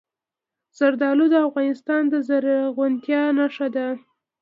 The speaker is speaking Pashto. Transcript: زردالو د افغانستان د زرغونتیا نښه ده.